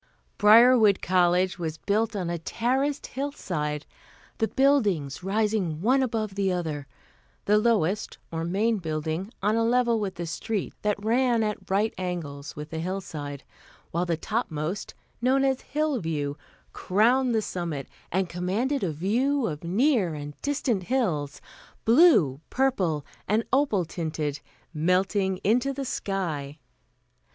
Briarwood College was built on a terraced hillside, the buildings rising one above the other, the lowest, or Main Building, on a level with the street that ran at right angles with the hillside, while the topmost, known as "Hillview," crowned the summit and commanded a view of near and distant hills, blue, purple and opal tinted, melting into the sky.